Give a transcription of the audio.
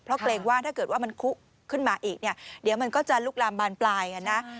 เพราะเกรงว่าถ้าเกิดว่ามันคุขึ้นมาอีกเนี่ยเดี๋ยวมันก็จะลุกลามบานปลายอ่ะนะ